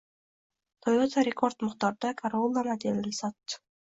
Toyota rekord miqdorda Corolla modelini sotdi